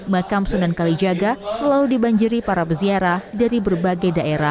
makam sunan kalijaga selalu dibanjiri para peziarah dari berbagai daerah